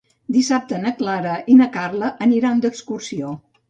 Dissabte na Clara i na Carla aniran d'excursió.